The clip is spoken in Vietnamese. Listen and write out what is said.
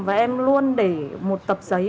và em luôn để một tập giấy